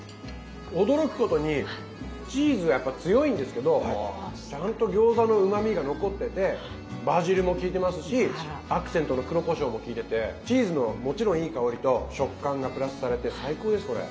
驚くことにチーズがやっぱ強いんですけどちゃんと餃子のうまみが残っててバジルも効いてますしアクセントの黒こしょうもきいててチーズのもちろんいい香りと食感がプラスされて最高ですこれ。